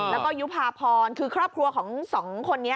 แล้วก็ยุภาพรคือครอบครัวของสองคนนี้